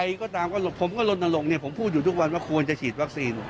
ใครก็ตามก็หลบผมก็ลนลงผมพูดอยู่ทุกวันว่าควรจะฉีดวัคซีน